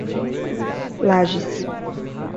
Lages